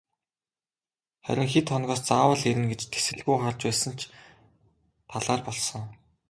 Харин хэд хоногоос заавал ирнэ гэж тэсэлгүй харж байсан ч талаар болсон.